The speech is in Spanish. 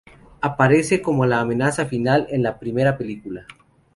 Aparece como la amenaza final en la primera película.